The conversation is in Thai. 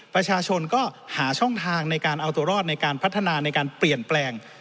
ประชาชนก็หาช่องทางในการเอาตัวรอดในการพัฒนาในการเปลี่ยนแปลง